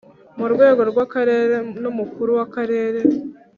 murwego rw’akarere n’umukuru w’akarere